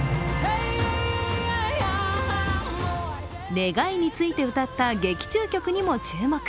願いについて歌った劇中曲にも注目。